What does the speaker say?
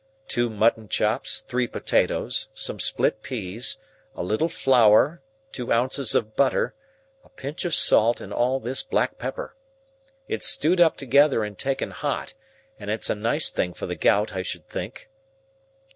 Two mutton chops, three potatoes, some split peas, a little flour, two ounces of butter, a pinch of salt, and all this black pepper. It's stewed up together, and taken hot, and it's a nice thing for the gout, I should think!"